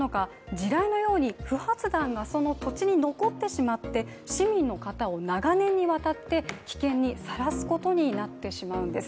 地雷のように不発弾がその土地に残ってしまって市民の方を長年にわたって危険にさらすことになってしまうんです。